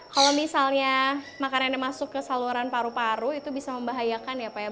kalau misalnya makanan yang masuk ke saluran paru paru itu bisa membahayakan hidup burung